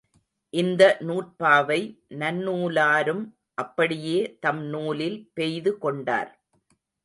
இந்த நூற்பாவை நன்னூலாரும் அப்படியே தம் நூலில் பெய்து கொண்டார்.